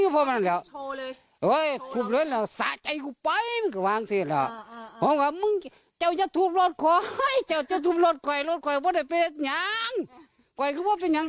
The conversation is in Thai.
แปลงมึง